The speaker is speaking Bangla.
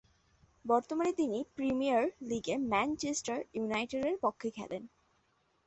বর্তমানে তিনি প্রিমিয়ার লীগে ম্যানচেস্টার ইউনাইটেডের পক্ষে খেলেন।